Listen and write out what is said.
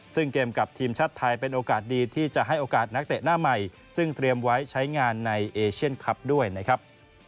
ซึ่งเกมกับทีมชาติไทยเป็นโอกาสดีที่จะให้โอกาสนักเตะหน้าใหม่ซึ่งเตรียมไว้ใช้งานในเอเชียนคลับด้วยนะครับ